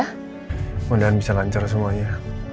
mudah mudahan bisa lancar semuanya